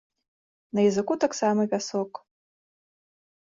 На языку таксама пясок.